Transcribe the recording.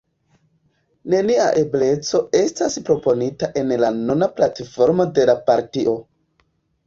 Nenia ebleco estas proponita en la nuna platformo de la partio.